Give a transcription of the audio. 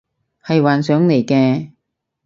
係幻想嚟嘅